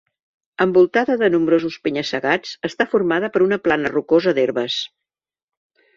Envoltada de nombrosos penya-segats, està formada per una plana rocosa d'herbes.